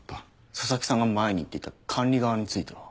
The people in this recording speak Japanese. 佐々木さんが前に言っていた「管理側」については？